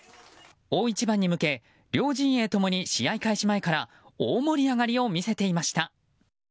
大一番に向け両陣営ともに試合開始前から大盛り上がりを見せていました。